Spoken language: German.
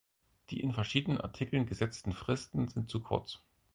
Die in verschiedenen Artikeln gesetzten Fristen sind zu kurz.